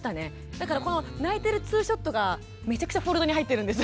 だからこの泣いてるツーショットがめちゃくちゃフォルダーに入ってるんです私の。